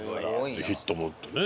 でヒットも打ってね。